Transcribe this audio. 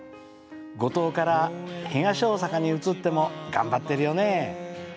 五島から東大阪に移っても頑張ってるよね。